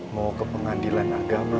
mau ke pengadilan agama